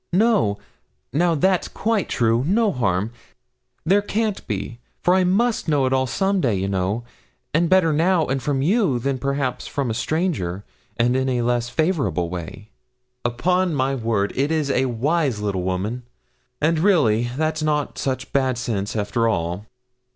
'No now that's quite true no harm. There can't be, for I must know it all some day, you know, and better now, and from you, than perhaps from a stranger, and in a less favourable way.' 'Upon my word, it is a wise little woman; and really, that's not such bad sense after all.'